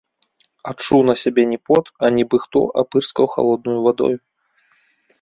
Адчуў на сабе не пот, а нібы хто апырскаў халоднаю вадою.